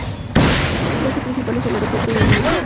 Su base principal es el Aeropuerto de Norilsk-Alykel.